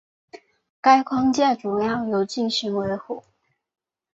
该框架主要由进行维护。